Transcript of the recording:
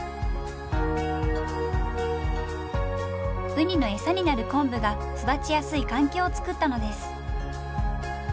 ウニのエサになる昆布が育ちやすい環境を作ったのです。